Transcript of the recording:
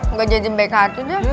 nggak jadi baik hati dong